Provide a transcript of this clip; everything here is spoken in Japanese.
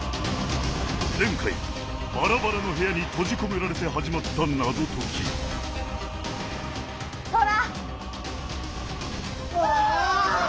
前回バラバラの部屋に閉じ込められて始まった謎解きトラ。